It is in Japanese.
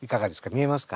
見えますか？